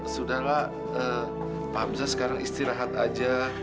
sudahlah pak hamzah sekarang istirahat saja